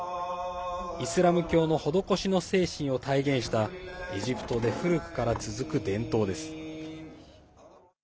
イスラム教の施しの精神を体現したエジプトで古くから続く伝統です。